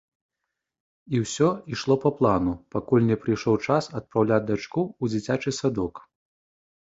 І ўсё ішло па плану, пакуль не прыйшоў час адпраўляць дачку ў дзіцячы садок.